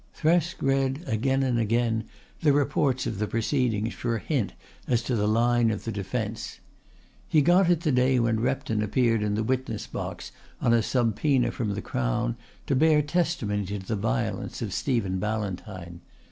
Thresk read again and again the reports of the proceedings for a hint as to the line of the defence. He got it the day when Repton appeared in the witness box on a subpoena from the Crown to bear testimony to the violence of Stephen Ballantyne.